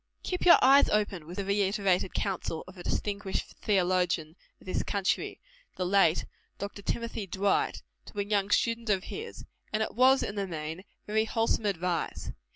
"Keep your eyes open," was the reiterated counsel of a distinguished theologian, of this country the late Dr. Timothy Dwight to a young student of his; and it was, in the main, very wholesome advice.